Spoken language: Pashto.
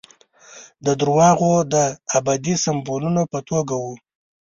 د درواغو د ابدي سمبولونو په توګه وو.